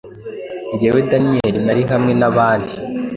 Jyewe Daniyeli nari hamwe n’abandi,